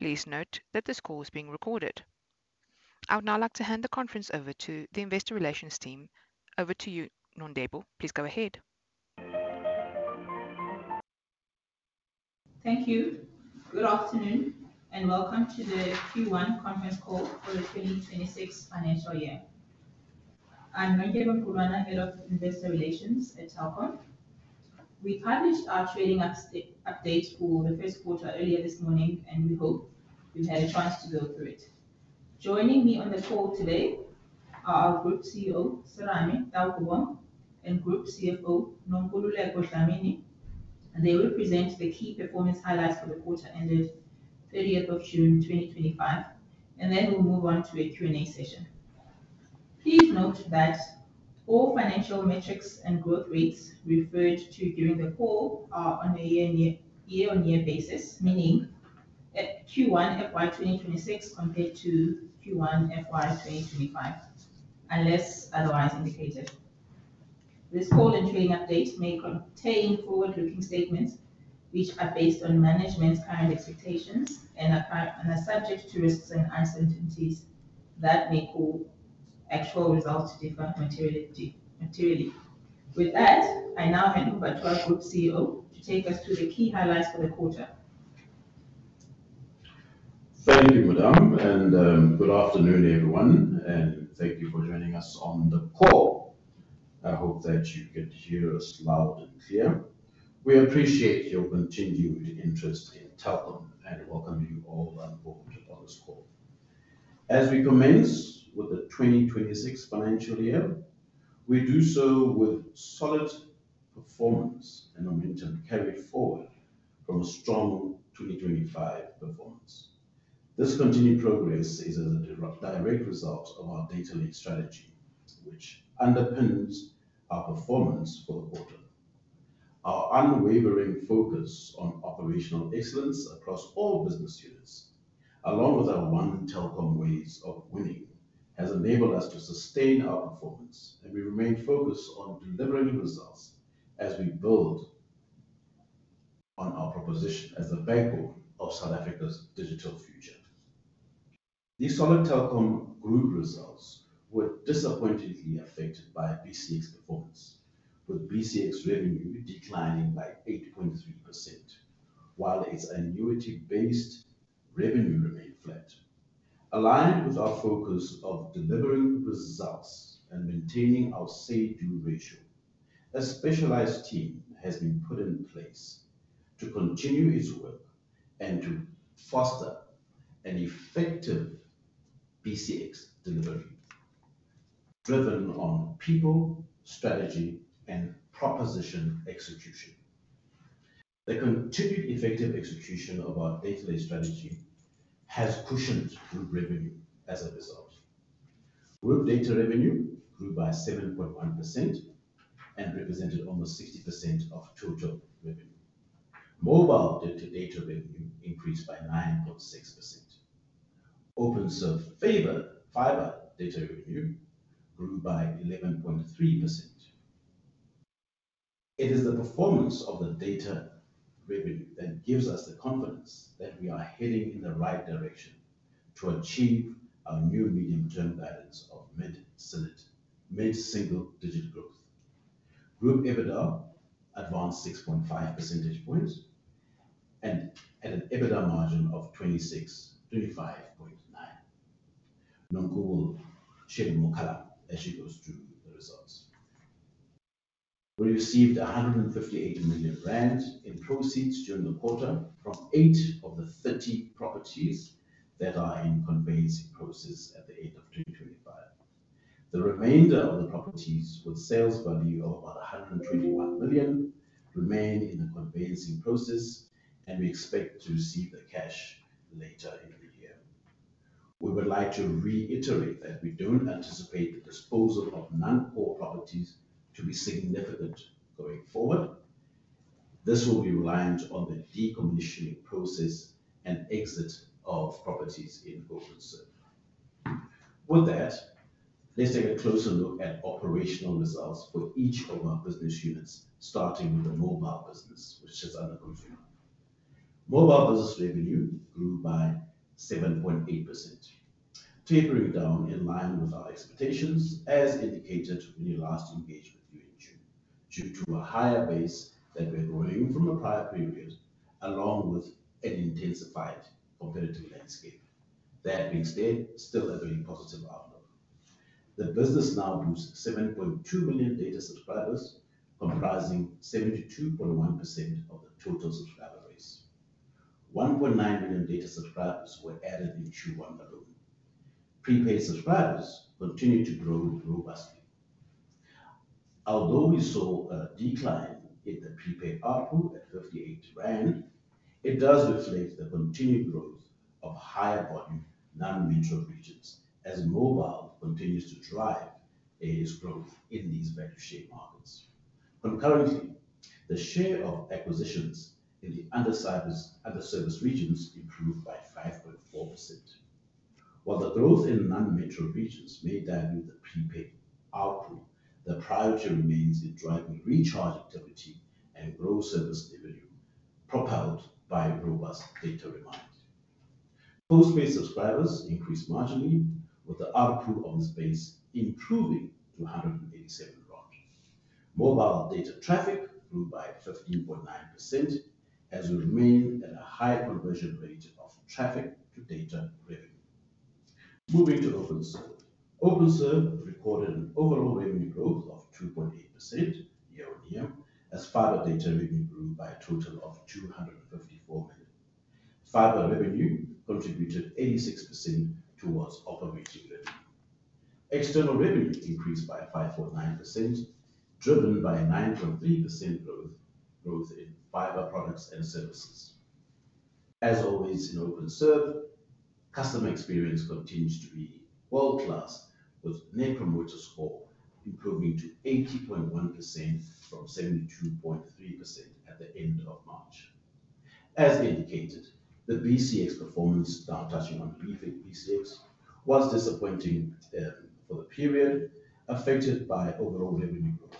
Please note that this call is being recorded. I would now like to hand the conference over to the Investor Relations team. Over to you, Nondyebo. Please go ahead. Thank you. Good afternoon and welcome to the Q1 Conference Call for the 2026 Financial Year. I'm Nondyebo Mqulwana, Head of Investor Relations at Telkom. We published our trading updates for the first quarter earlier this morning, and we hope you've had a chance to go through it. Joining me on the call today are our Group CEO, Serame Taukobong, and Group CFO, Nonkululeko Dlamini. They will present the key performance highlights for the quarter ending June 30, 2025, and they will move on to a Q&A session. Please note that all financial metrics and growth rates referred to during the call are on a year-on-year basis, meaning Q1 FY 2026 compared to Q1 FY 2025, unless otherwise indicated. This call and trading update may contain forward-looking statements, which are based on management's current expectations and are subject to risks and uncertainties that may cause actual results to differ materially. With that, I now hand over to our Group CEO to take us through the key highlights for the quarter. Thank you, madam. I hope that you get to hear us loud and clear. We appreciate your continued interest in Telkom and welcome you all on board on this call. As we commence with the 2026 financial year, we do so with solid performance and momentum carried forward from a strong 2025 performance. This continued progress is a direct result of our data-led strategy, which underpins our performance for the quarter. Our unwavering focus on operational excellence across all business units, along with our One Telkom ways of winning, has enabled us to sustain our performance, and we remain focused on delivering results as we build on our proposition as the backbone of South Africa's digital future. These solid Telkom Group results were disappointingly affected by BCX performance, with BCX revenue declining by 8.3%, while its annuity-based revenue remained flat. Aligned with our focus of delivering results and maintaining our save-do ratio, a specialized team has been put in place to continue its work and to foster an effective BCX delivery driven on people, strategy, and proposition execution. The continued effective execution of our data-led strategy has cushioned Group revenue as a result. Group data revenue grew by 7.1% and represented almost 60% of total revenue. Mobile data revenue increased by 9.6%. Openserve fibre data revenue grew by 11.3%. It is the performance of the data revenue that gives us the confidence that we are heading in the right direction to achieve our new medium-term guidance of mid-single-digit growth. Group EBITDA advanced 6.5 percentage points and had an EBITDA margin of 26.95%. Nonkul will share more as she goes through the results. We received 158 million rand in proceeds during the quarter from eight of the 30 properties that are in conveyancing process at the end of 2025. The remainder of the properties, with sales value of about 121 million, remain in the conveyancing process, and we expect to receive the cash later in the year. We would like to reiterate that we don't anticipate the disposal of none or properties to be significant going forward. This will be reliant on the decommissioning process and exit of properties in Portland Circle. With that, let's have a closer look at operational results for each of our business units, starting with the mobile business, which is under control. Mobile business revenue grew by 7.8%, tapering down in line with our expectations, as indicated in the last engagement, due to a higher base that we're drawing from a prior period, along with an intensified competitive landscape. That is still a very positive outlook. The business now boasts 7.2 million data subscribers, comprising 72.1% of the total subscriber base. 1.9 million data subscribers were added in Q1 alone. Prepaid subscribers continue to grow robustly. Although we saw a decline in the prepaid ARPU at 58 rand, it does reflect the continued growth of higher volume non-metro regions as mobile continues to drive its growth in these value-shaped markets. Concurrently, the share of acquisitions in the underserviced regions improved by 5.4%. While the growth in non-metro regions may dampen the prepaid outgrowth, the priority remains in driving recharge activity and growth service delivery, propelled by robust data remains. Postpaid subscribers increased marginally, with the outgrowth of this base improving to ZAR 187. Mobile data traffic grew by 15.9% as we remain at a high conversion rate of traffic to data revenue. Moving to Openserve, Openserve recorded an overall revenue growth of 2.8% year-on-year as fibre data revenue grew by a total of 254,000. Fibre revenue contributed 86% towards operating revenue. External revenue increased by 5.9%, driven by 9.3% growth in fibre products and services. As always in Openserve, customer experience continues to be world-class, with Net Promoter Score improving to 80.1% from 72.3% at the end of March. As indicated, the BCX performance, now touching on prepaid BCX, was disappointing for the period affected by overall revenue growth.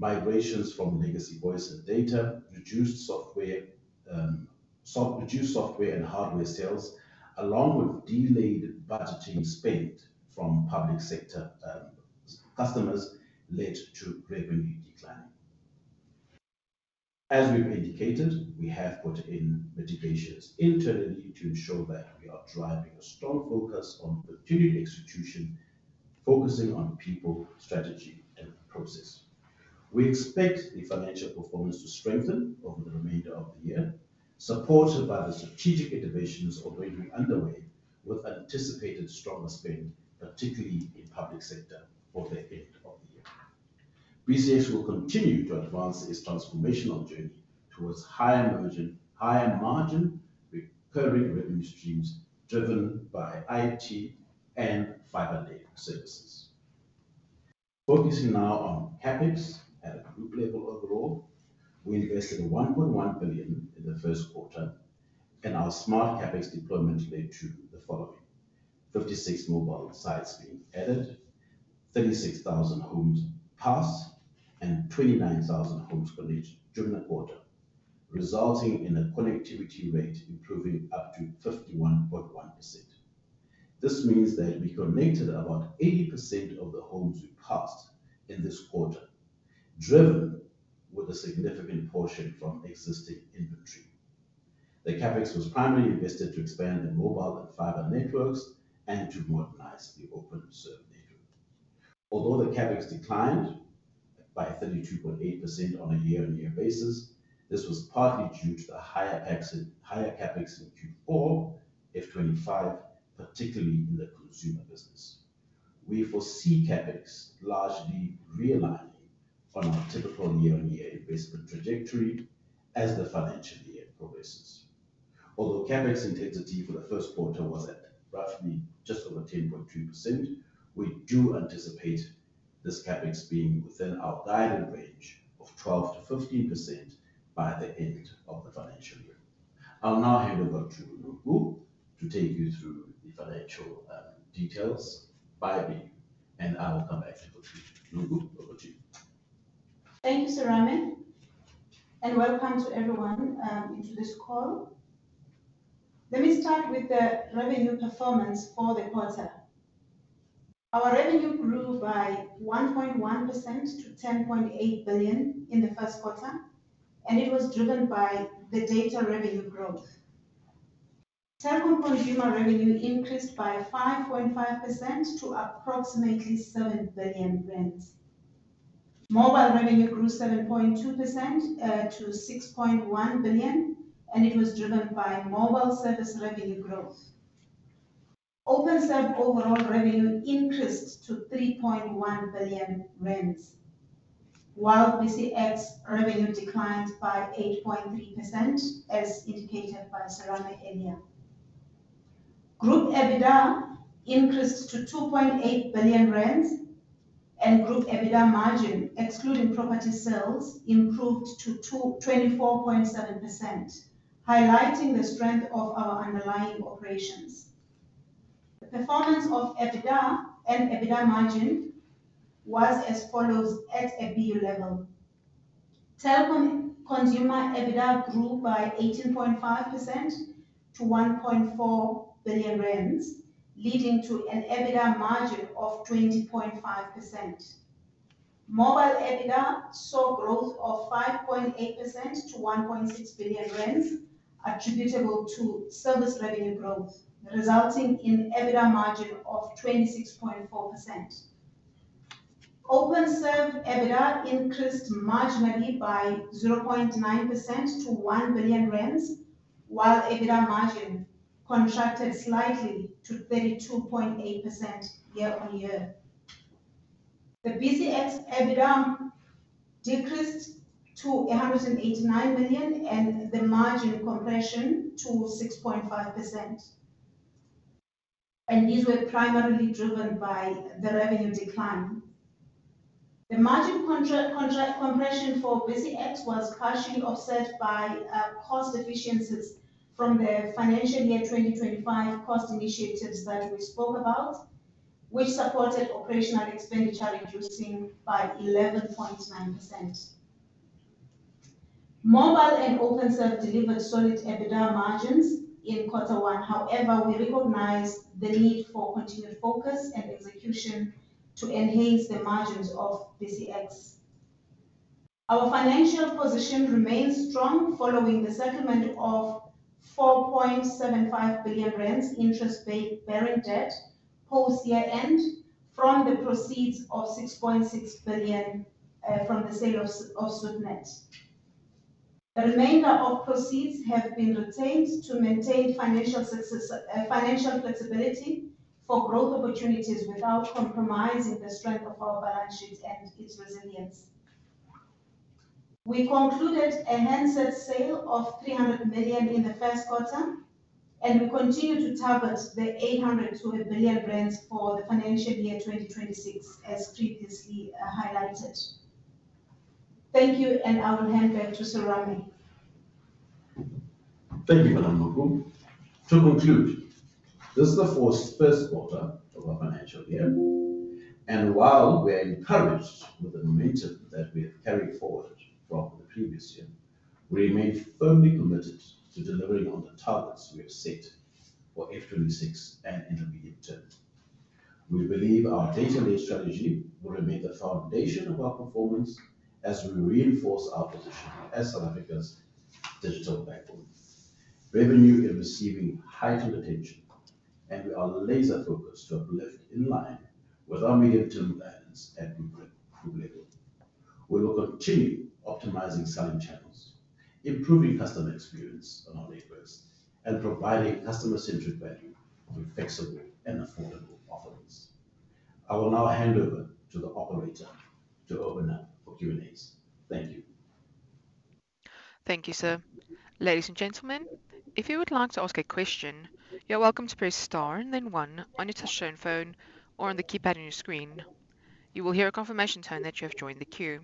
Migrations from legacy voice-to-data reduced software and hardware sales, along with delayed budgeting spend from public sector customers, led to revenue decline. As we've indicated, we have put in mitigations internally to ensure that we are driving a strong focus on continued execution, focusing on people, strategy, and process. We expect the financial performance to strengthen over the remainder of the year, supported by the strategic innovations already underway, with anticipated stronger spend, particularly in public sector, for the end of the year. BCX will continue to advance its transformational journey towards higher margin with recurring revenue streams driven by IoT and fibre-led services. Focusing now on CapEx and Group level overall, we invested 1.1 billion in the first quarter, and our smart CapEx deployment led to the following: 56 mobile sites being added, 36,000 homes passed, and 29,000 homes connected during the quarter, resulting in a connectivity rate improving up to 51.1%. This means that we connected about 80% of the homes we passed in this quarter, driven with a significant portion from existing inventory. The CapEx was primarily invested to expand the mobile and fibre networks and to modernize the Openserve network. Although the CapEx declined by 32.8% on a year-on-year basis, this was partly due to the higher CapEx in Q4 FY2025, particularly in the consumer business. We foresee CapEx largely realigned on our typical year-on-year investment trajectory as the financial year progresses. Although CapEx intensity for the first quarter was at roughly just over 10.2%, we do anticipate this CapEx being within our guided range of 12%-15% by the end of the financial year. I'll now hand over to Nonkululeko to take you through the financial details by me, and I will come back to Nonkululeko over to you. Thank you, Serame. Welcome to everyone into this call. Let me start with the revenue performance for the quarter. Our revenue grew by 1.1% to 10.8 billion in the first quarter, and it was driven by the data revenue growth. Telkom consumer revenue increased by 5.5% to approximately 7 billion. Mobile revenue grew 7.2% to 6.1 billion, and it was driven by mobile service revenue growth. Openserve overall revenue increased to 3.1 billion rand, while BCX revenue declined by 8.3% as indicated by Serame earlier. Group EBITDA increased to 2.8 billion rand, and Group EBITDA margin, excluding property sales, improved to 24.7%, highlighting the strength of our underlying operations. Performance of EBITDA and EBITDA margin was as follows at FEU level. Telkom consumer EBITDA grew by 18.5% to 1.4 billion rand, leading to an EBITDA margin of 20.5%. Mobile EBITDA saw growth of 5.8% to 1.6 billion rand, attributable to service revenue growth, resulting in an EBITDA margin of 26.4%. Openserve EBITDA increased marginally by 0.9% to 1 billion rand, while EBITDA margin contracted slightly to 32.8% year-on-year. The BCX EBITDA decreased to 189 million and the margin compression to 6.5%. These were primarily driven by the revenue decline. The margin compression for BCX was partially offset by cost efficiencies from the financial year 2025 cost initiatives that we spoke about, which supported operational expenditure reducing by 11.9%. Mobile and Openserve delivered solid EBITDA margins in quarter one. However, we recognize the need for continued focus and execution to enhance the margins of BCX. Our financial position remains strong following the settlement of 4.75 billion rand interest-bearing debt post-year end from the proceeds of 6.6 billion from the sale of Swiftnet. The remainder of proceeds has been retained to maintain financial flexibility for growth opportunities without compromising the strength of our balance sheet and its resilience. We concluded an unsaid sale of 300 million in the first quarter, and we continue to tap the 812 million for financial year 2026, as previously highlighted. Thank you, I will hand back to Serame. Thank you, Madam Nonkululeko. This is the fourth first quarter of our financial year. While we are encouraged with the momentum that we're carrying forward from the previous year, we remain firmly committed to delivering on the targets we have set for F2026 and in the medium term. We believe our data-led strategy will make a foundation of our performance as we reinforce our position as South Africa's digital backbone. Revenue is receiving heightened attention, and we are laser-focused to level in line with our medium-term guidance at Group level. We will continue optimizing selling channels, improving customer experience on our requests, and providing customer-centric value with flexible and affordable offerings. I will now hand over to the operator to open for Q&As. Thank you. Thank you, sir. Ladies and gentlemen, if you would like to ask a question, you're welcome to press star and then one on your touchscreen phone or on the keypad on your screen. You will hear a confirmation tone that you have joined the queue.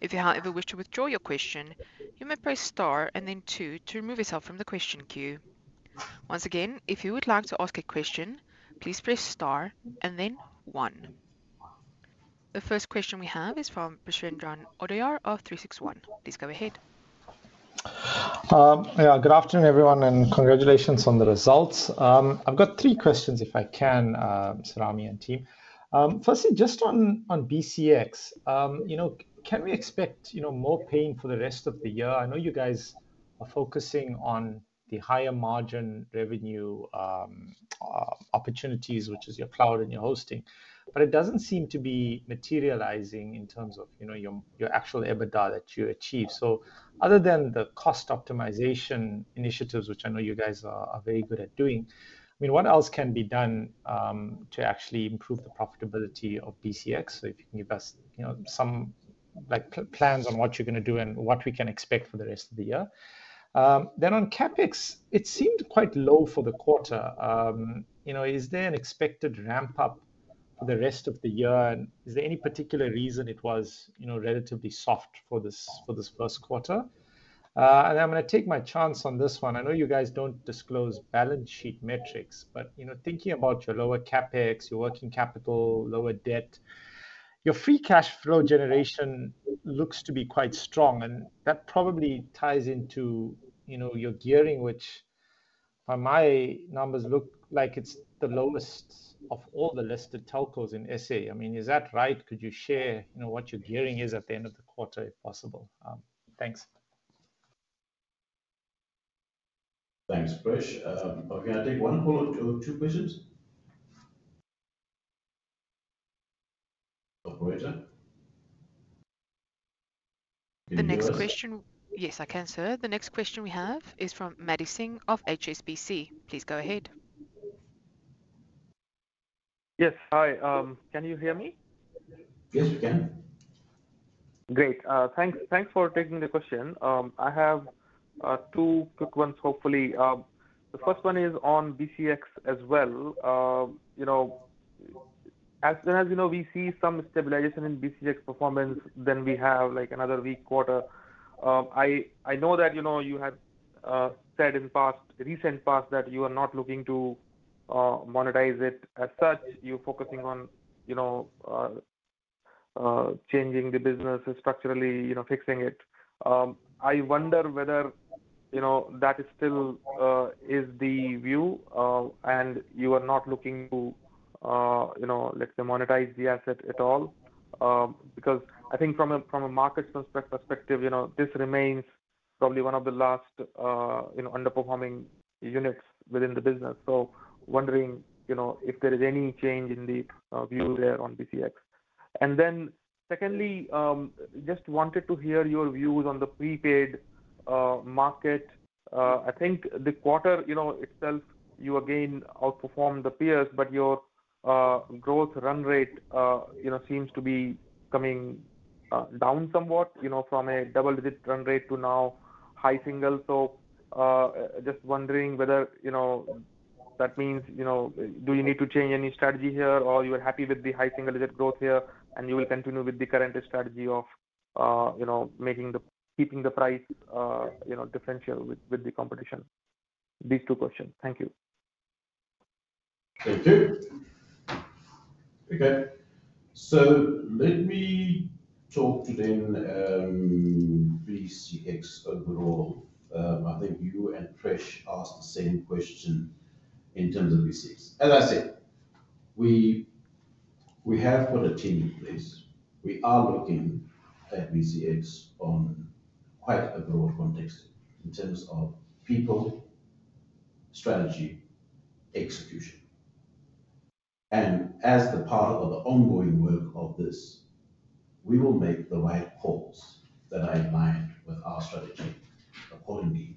If you however wish to withdraw your question, you may press star and then two to remove yourself from the question queue. Once again, if you would like to ask a question, please press star and then one. The first question we have is from Prashendran Odyar of 361. Please go ahead. Yeah, good afternoon, everyone, and congratulations on the results. I've got three questions, if I can, Serame and team. Firstly, just on BCX, can we expect more pain for the rest of the year? I know you guys are focusing on the higher margin revenue opportunities, which is your cloud and your hosting, but it doesn't seem to be materializing in terms of your actual EBITDA that you achieve. Other than the cost optimization initiatives, which I know you guys are very good at doing, what else can be done to actually improve the profitability of BCX? If you can give us some plans on what you're going to do and what we can expect for the rest of the year. On CapEx, it seemed quite low for the quarter. Is there an expected ramp-up for the rest of the year? Is there any particular reason it was relatively soft for this first quarter? I'm going to take my chance on this one. I know you guys don't disclose balance sheet metrics, but thinking about your lower CapEx, your working capital, lower debt, your free cash flow generation looks to be quite strong. That probably ties into your gearing, which by my numbers looks like it's the lowest of all the listed telcos in SA. Is that right? Could you share what your gearing is at the end of the quarter, if possible? Thanks. Thanks, Prish. Okay, I'll take one call, two questions. Operator? The next question, yes, I can, sir. The next question we have is from Madising of HSBC. Please go ahead. Yes, hi. Can you hear me? Great. Thanks. Thanks for taking the question. I have two quick ones, hopefully. The first one is on BCX as well. As you know, we see some stabilization in BCX performance. Then we have another weak quarter. I know that you had said in the recent past that you are not looking to monetize it as such. You're focusing on changing the business structurally, fixing it. I wonder whether that is still the view and you are not looking to, let's say, monetize the asset at all. Because I think from a market perspective, this remains probably one of the last underperforming units within the business. Wondering if there is any change in the view there on BCX. Secondly, I just wanted to hear your views on the prepaid market. I think the quarter itself, you again outperformed the peers, but your growth run rate seems to be coming down somewhat from a double-digit run rate to now high single. Just wondering whether that means do you need to change any strategy here or you are happy with the high single-digit growth here and you will continue with the current strategy of keeping the price differential with the competition. These two questions. Thank you. Thank you. Okay. Let me talk to then BCX overall. I think you and Prish asked the same question in terms of BCX. As I said, we have put a team in place. We are working at BCX on quite a broad context in terms of people, strategy, execution. As part of the ongoing work of this, we will make the right calls that align with our strategy, accordingly,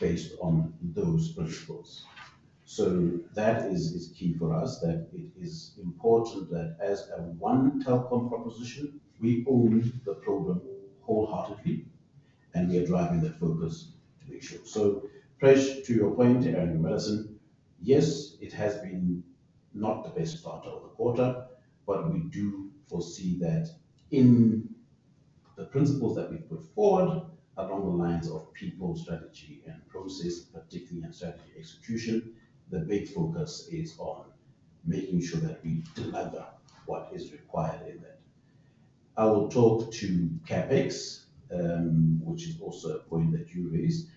based on those principles. That is key for us, that it is important that as a one Telkom proposition, we own the program wholeheartedly and we are driving that focus to make sure. Prish, to your point, and Madison, yes, it has been not the best start of the quarter, but we do foresee that in the principles that we put forward along the lines of people, strategy, and process, particularly in strategy execution, the big focus is on making sure that we deliver what is required in that. I will talk to CapEx, which is also a point that you raised.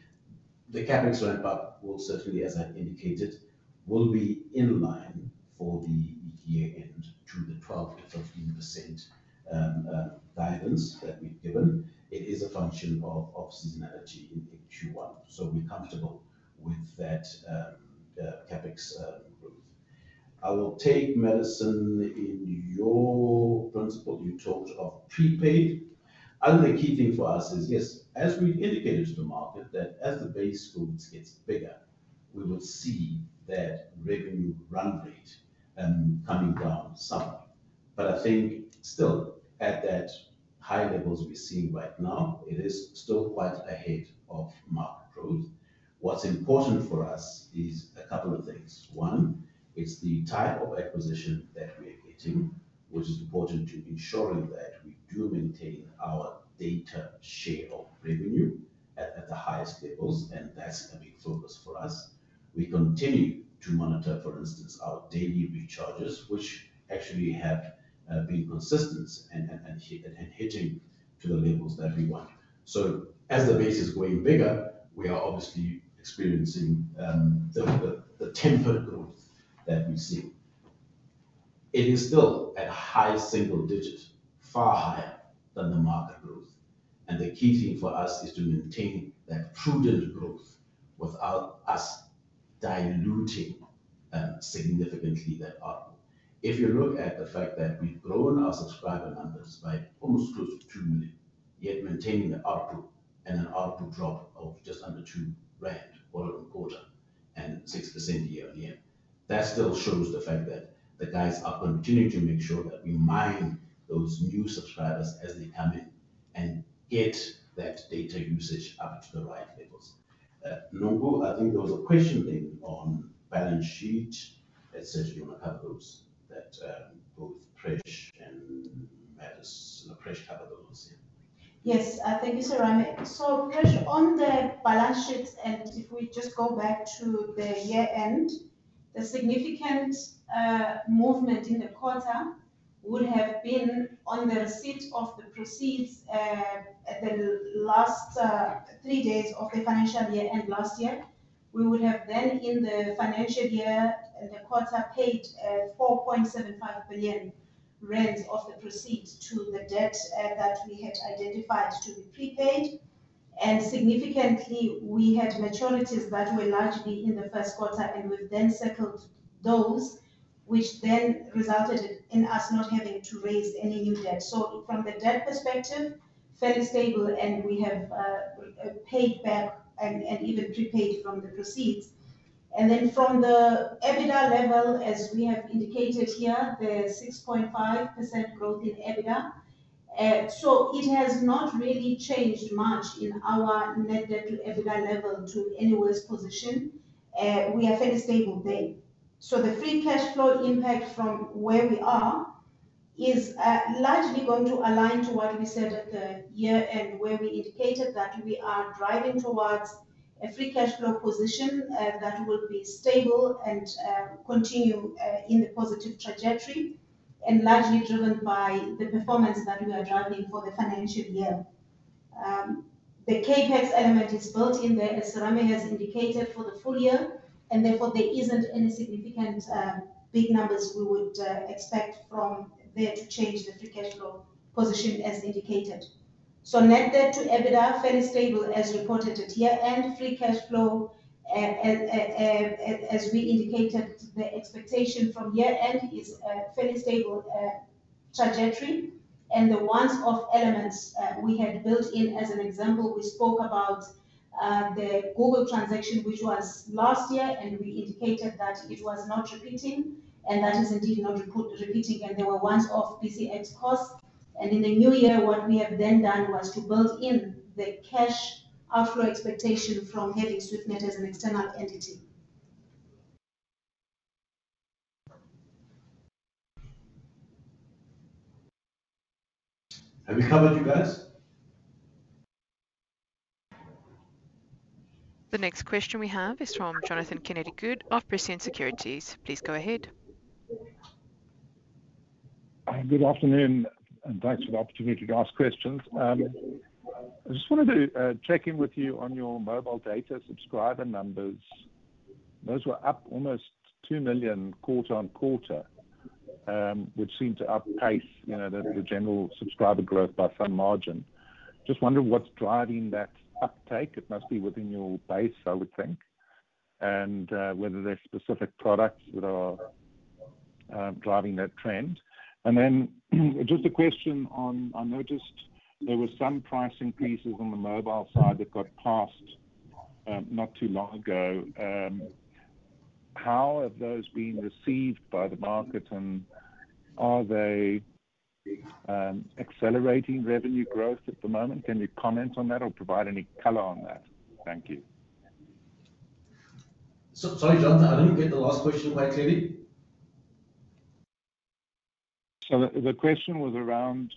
The CapEx ramp-up will certainly, as I indicated, be in line for the ETA and through the 12%-15% guidance that we've given. It is a function of seasonality in Q1. We're comfortable with that, CapEx growth. I will take Madison in your principle you talked of prepaid. The key thing for us is, yes, as we've indicated to the market that as the base growth gets bigger, we would see that revenue run rate coming down some. I think still at that high levels we're seeing right now, it is still quite ahead of market growth. What's important for us is a couple of things. One, it's the type of acquisition that we're getting, which is important to ensuring that we do maintain our data share of revenue at the highest levels, and that's the big focus for us. We continue to monitor, for instance, our daily recharges, which actually have been consistent and heading to the levels that we want. As the base is growing bigger, we are obviously experiencing the temper growth that we see. It is still at high single digit, far higher than the market growth. The key thing for us is to maintain that prudent growth without us diluting significantly that output. If you look at the fact that we've grown our subscriber numbers by almost 22, yet maintaining an output and an output drop of just under 2 rand for the quarter and 6% year-on-year, that still shows the fact that the guys are continuing to make sure that we mine those new subscribers as they come in and get that data usage up to the right levels. Nonku, I think there was a question being on balance sheet. It says you have those, that both Prish and Madison have those. Yes, thank you, Serame. Prish, on the balance sheet, if we just go back to the year-end, the significant movement in the quarter would have been on the receipt of the proceeds at the last three days of the financial year and last year. We would have then in the financial year and the quarter paid 4.75 billion rand of the proceeds to the debt that we had identified to be prepaid. Significantly, we had maturities that were largely in the first quarter, and we've then circled those, which resulted in us not having to raise any new debt. From the debt perspective, fairly stable, and we have paid back and have even prepaid from the proceeds. From the EBITDA level, as we have indicated here, the 6.5% growth in EBITDA. It has not really changed much in our net debt to EBITDA level to any worse position. We are fairly stable there. The free cash flow impact from where we are is largely going to align to what we said at the year-end, where we indicated that we are driving towards a free cash flow position that would be stable and continue in the positive trajectory and largely driven by the performance that we are driving for the financial year. The CapEx element is built in there, as Serame has indicated, for the full year, and therefore there isn't any significant big numbers we would expect from there to change the free cash flow position as indicated. Net debt to EBITDA fairly stable as reported at year-end. Free cash flow, as we indicated, the expectation from year-end is a fairly stable trajectory. The once-off elements we had built in, as an example, we spoke about the Google transaction, which was last year, and we indicated that it was not repeating, and that is indeed not repeating, and there were once-off BCX costs. In the new year, what we had then done was to build in the cash outflow expectation from having Swiftnet as an external entity. Have you covered, you guys? The next question we have is from Jonathan Kennedy-Good of Prescient Securities. Please go ahead. Hi, good afternoon, and thanks for the opportunity to ask questions. I just wanted to check in with you on your mobile data subscriber numbers. Those were up almost 2 million quarter-on-quarter, which seemed to outpace the general subscriber growth by a fine margin. Just wondering what's driving that uptake. It must be within your base, I would think, and whether there are specific products that are driving that trend. I noticed there were some price increases on the mobile side that got passed not too long ago. How have those been received by the market, and are they accelerating revenue growth at the moment? Can you comment on that or provide any color on that? Thank you. Sorry, Jonathan, I didn't get the last question quite clearly. The question was around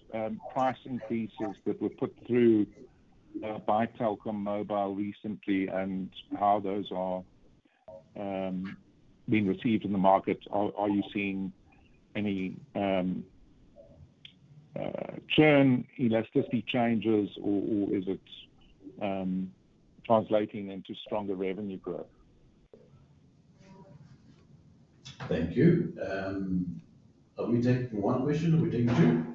price increases that were put through by Telkom Mobile recently and how those are being received in the market. Are you seeing any churn, elasticity changes, or is it translating into stronger revenue growth? Thank you. Are we taking one question or are we taking two?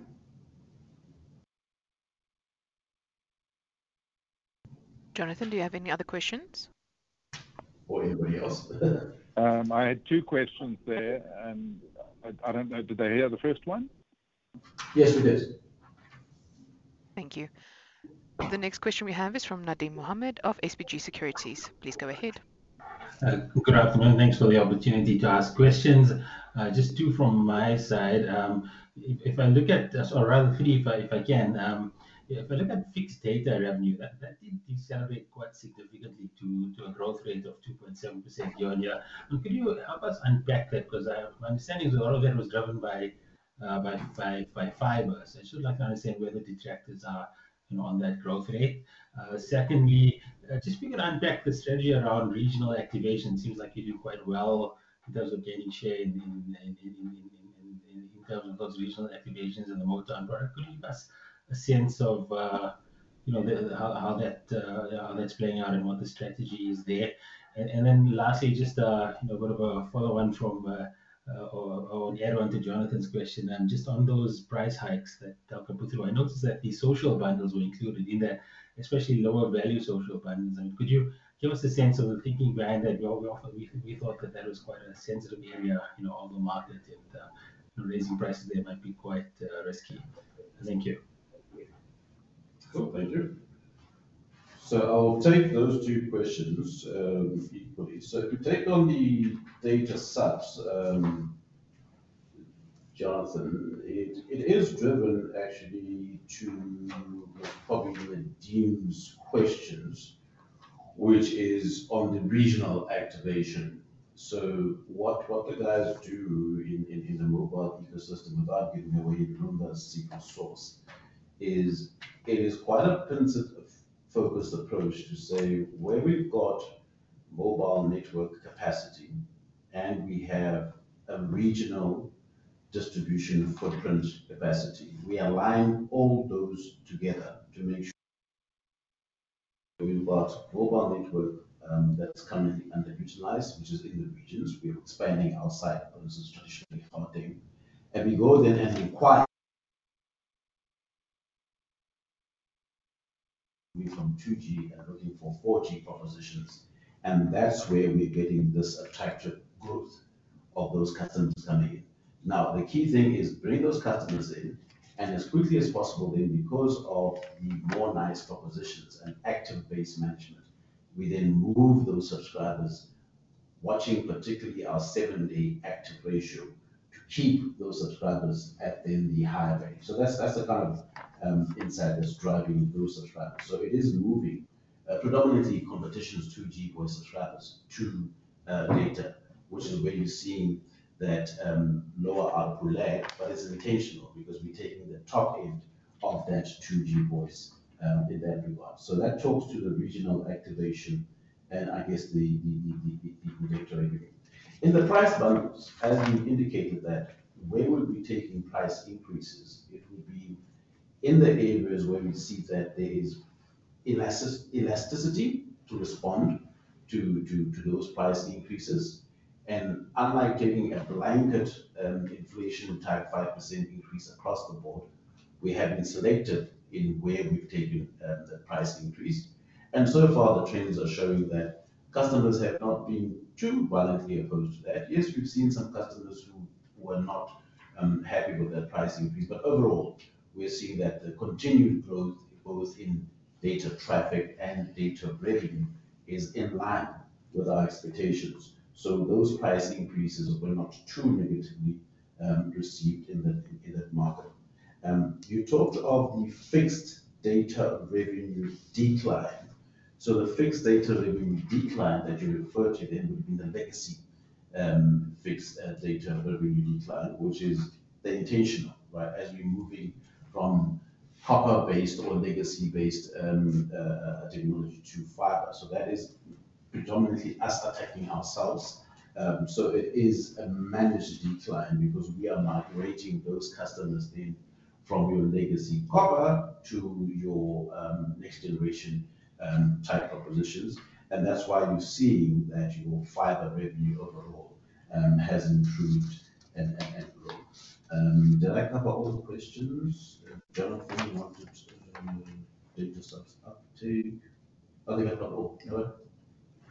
Jonathan, do you have any other questions? I had two questions there. I don't know, did I hear the first one? Yes, it is. Thank you. The next question we have is from Nadim Mohammed of SPG Securities. Please go ahead. Good afternoon. Thanks for the opportunity to ask questions. Just two from my side, or rather three, if I can. If I look at fixed data revenue, that seems to be accelerating quite significantly to a growth rate of 2.7% year-on-year. Could you help us unpack that? My understanding is a lot of it was driven by fibre. I'd just like to understand whether the trackers are on that growth rate. Secondly, if you can unpack the strategy around regional activations, it seems like you do quite well in terms of getting share in those regional activations in the motor. Could you give us a sense of how that's playing out and what the strategy is there? Lastly, just a follow-on from, or an add-on to Jonathan's question, just on those price hikes that Telkom put through, I noticed that the social bundles were included in there, especially lower value social bundles. Could you give us a sense of a thinking plan? We often thought that was quite a sensitive area in the market, and raising prices there might be quite risky. Thank you. Thank you. I will take those two questions. To take on the data set, Jonathan, it is driven actually to probably Nadeem's questions, which is on the regional activation. What the guys do in the mobile ecosystem, without giving away the numbers sequence for us, is it is quite a focused approach to say where we've got mobile network capacity and we have a regional distribution footprint capacity. We align all those together to make sure we've got mobile network that's currently underutilized, which is in the regions. We are expanding outside of the distribution of the company. We go then and acquire from 2G and looking for 4G propositions. That's where we're getting this attractive growth of those customers coming in. The key thing is bring those customers in, and as quickly as possible, then because of the more nice propositions and active base management, we then move those subscribers, watching particularly our 70% active ratio, keep those subscribers in the higher range. That's the kind of insight that's driving those subscribers. It is moving predominantly competition's 2G voice subscribers to data, which is where you're seeing that lower output lag, but it's intentional because we're taking the top end of that 2G voice in that regard. That talks to the regional activation and I guess the projector in the price bundles. I don't want to indicate that where we'll be taking price increases. It will be in the areas where we see that there is elasticity to respond to those price increases. Unlike taking a blanket inflation type 5% increase across the board, we have been selected in where we've taken the price increase. So far, the trends are showing that customers have not been too voluntarily opposed to that. Yes, we've seen some customers who were not happy with that price increase. Overall, we're seeing that the continued growth both in data traffic and data revenue is in line with our expectations. Those price increases were not too negatively received in that market. You talked of the fixed data revenue decline. The fixed data revenue decline that you referred to is the legacy fixed data revenue decline, which is intentional, right? As you're moving from copper-based or legacy-based technology to fibre. That is predominantly us protecting ourselves. It is a managed decline because we are migrating those customers in from your legacy copper to your next-generation type propositions. That's why we're seeing that your fibre revenue up. Questions? Jonathan, you want to turn the data sets up to? I'll take a couple.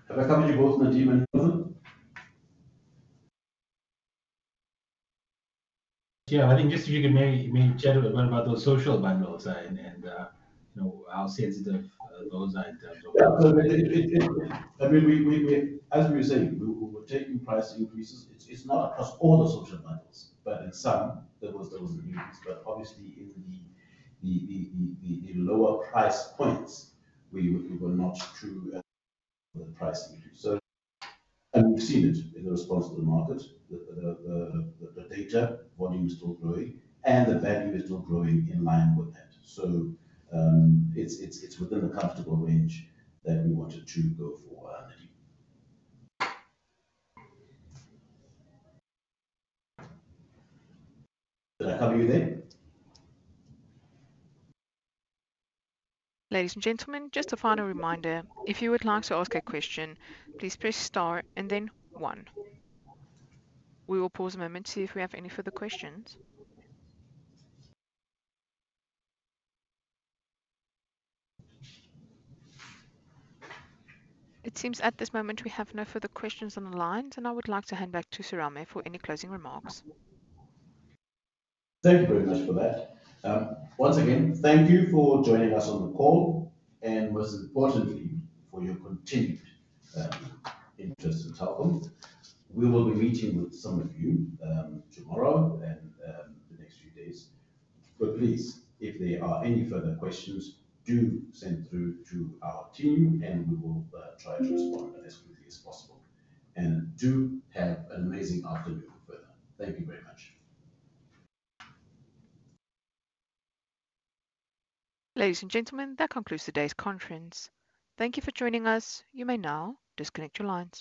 Go ahead. Have I covered you both, Nadim and Nondyebo? Yeah, I think just if you could maybe chat a little bit more about those social bundles and, you know, our sense of those in terms of. As we were saying, we were taking price increases. It's not across all the social bundles, but at some, there was a news. Obviously, in the lower price points, we were not too happy with the price increase. We've seen it in the responsible market, the data volume is still growing, and the value is still growing in line with that. It's within the comfortable range that we wanted to go for. Did I cover you there? Ladies and gentlemen, just a final reminder. If you would like to ask a question, please press star and then one. We will pause a moment to see if we have any further questions. It seems at this moment we have no further questions on the line, and I would like to hand back to Serame for any closing remarks. Thank you very much for that. Once again, thank you for joining us on the call, and most importantly, for your continued interest in Telkom. We will be meeting with some of you tomorrow and the next few days. Please, if there are any further questions, do send through to Tim, and we will try to respond as quickly as possible. Do have. Ladies and gentlemen, that concludes today's conference. Thank you for joining us. You may now disconnect your lines.